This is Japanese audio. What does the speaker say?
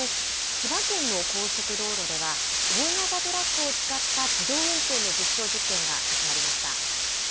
千葉県の高速道路では、大型トラックを使った自動運転の実証実験が始まりました。